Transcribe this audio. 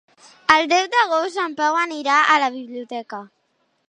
El deu d'agost en Pau anirà a la biblioteca.